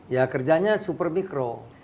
ya kerjanya super mikro